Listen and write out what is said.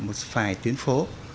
một vài tuyến phố